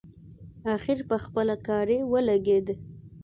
اخر پخپله کاري ولګېد.